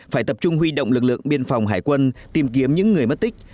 phải tập trung huy động lực lượng biên phòng hải quân tìm kiếm những người mất tích